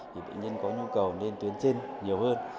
thì bệnh nhân có nhu cầu lên tuyến trên nhiều hơn